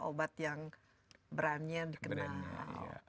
obat yang brandnya dikenal